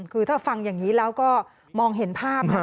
คือถ้าฟังอย่างนี้แล้วก็มองเห็นภาพ